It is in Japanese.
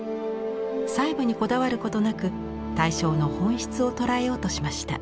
細部にこだわることなく対象の本質を捉えようとしました。